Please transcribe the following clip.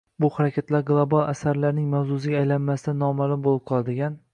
bu harakatlar “global” asarlarning mavzusiga aylanmasdan noma’lum bo‘lib qoladigan